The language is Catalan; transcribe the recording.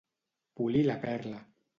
Polir la perla.